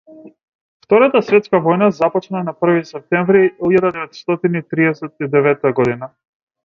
Втората светска војна започна на први септември илјада деветстотини триесет и деветта година.